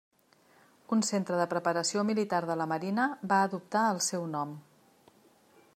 Un centre de Preparació Militar de la Marina va adoptar el seu nom.